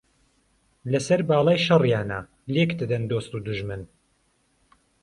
له سهر باڵای شهڕیانه لێک دهدهن دۆست و دوژمن